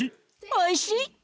おいしい。